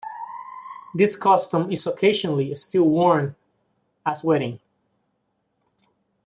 This costume is occasionally still worn at weddings.